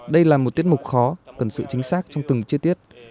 đây là một tiết mục khó cần sự chính xác trong từng chi tiết